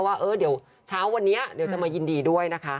ว่าเดี๋ยวเช้าวันนี้เดี๋ยวจะมายินดีด้วยนะคะ